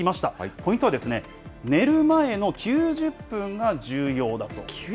ポイントは、寝る前の９０分が重９０分。